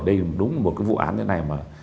đây đúng là một cái vụ án như thế này mà